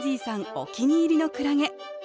お気に入りのクラゲ。